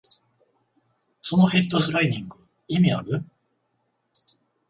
そのヘッドスライディング、意味ある？